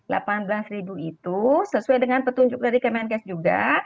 lapan belas ribu itu sesuai dengan petunjuk dari kemenkes juga